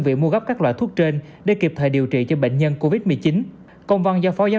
việc mua gấp các loại thuốc trên để kịp thời điều trị cho bệnh nhân covid một mươi chín công văn do phó giáo